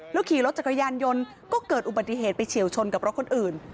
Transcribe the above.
ขี่รถจักรยานยนต์ก็เกิดอุบัติเหตุไปเฉียวชนกับรถคนอื่น